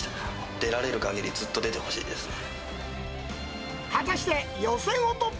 出られるかぎり、ずっと出てほしいですね。